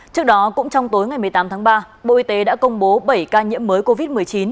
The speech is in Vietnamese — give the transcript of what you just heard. trước đó cũng trong tối ngày một mươi tám tháng ba bộ y tế đã công bố bảy ca nhiễm mới covid một mươi chín